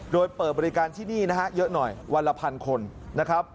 โดยเปิดบริการที่นี่นะฮะเยอะหน่อยวันละพันคนนะครับ